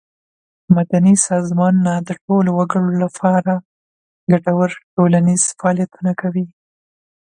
مدني سازمانونه د ټولو وګړو له پاره ګټور ټولنیز فعالیتونه کوي.